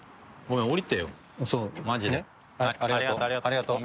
ありがとう。